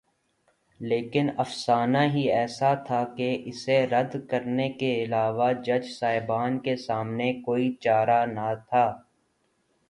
لیکن افسانہ ہی ایسا تھا کہ اسے رد کرنے کے علاوہ جج صاحبان کے سامنے کوئی چارہ نہ تھا۔